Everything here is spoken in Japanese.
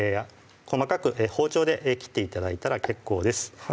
細かく包丁で切って頂いたら結構です